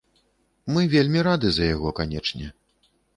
Мы вельмі рады за яго, канечне.